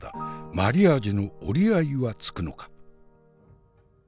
マリアージュの折り合いはつくのか？